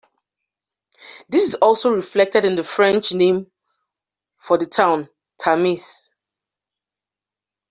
This is also reflected in the French name for the town, Tamise.